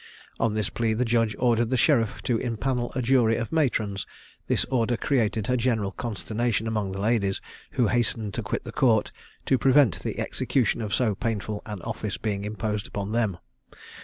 On this plea the judge ordered the sheriff to impannel a jury of matrons; this order created a general consternation among the ladies, who hastened to quit the court, to prevent the execution of so painful an office being imposed upon them.